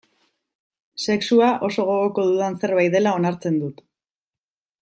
Sexua oso gogoko dudan zerbait dela onartzen dut.